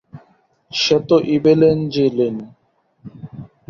সে তো ইভ্যাঞ্জেলিন।